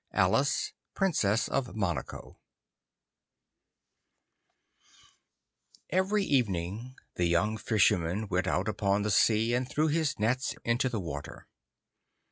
H. ALICE, PRINCESS OF MONACO EVERY evening the young Fisherman went out upon the sea, and threw his nets into the water.